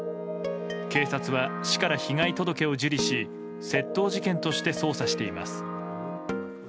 警察は、市から被害届を受理し窃盗事件として捜査しています。